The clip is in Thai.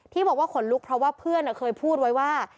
บอกว่าขนลุกเพราะว่าเพื่อนเคยพูดไว้ว่า